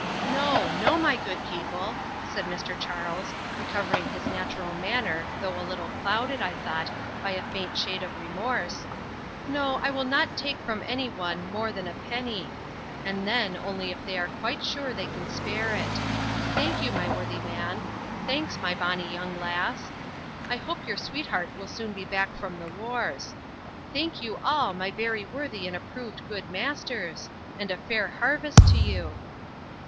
"No no, my good people," said Mr. Charles, recovering his natural manner, though a little clouded, I thought, by a faint shade of remorse; "no, I will not take from any one more than a penny; and then only if they are quite sure they can spare it. Thank you, my worthy man. Thanks, my bonny young lass I hope your sweetheart will soon be back from the wars. Thank you all, my 'very worthy and approved good masters,' and a fair harvest to you!"